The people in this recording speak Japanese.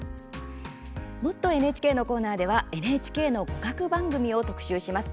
「もっとＮＨＫ」のコーナーではＮＨＫの語学番組を特集します。